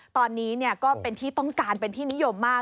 ตอนนี้ก็เป็นที่ต้องการเป็นที่นิยมมาก